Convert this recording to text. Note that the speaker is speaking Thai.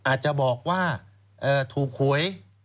อาจจะบอกว่าถูกหวย